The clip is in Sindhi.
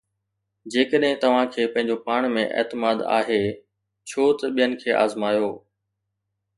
جيڪڏهن توهان کي پنهنجو پاڻ ۾ اعتماد آهي، ڇو ته ٻين کي آزمايو؟